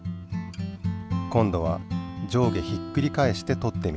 今度は上下ひっくり返してとってみる。